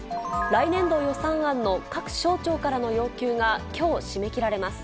来年度予算案の各省庁からの要求がきょう、締め切られます。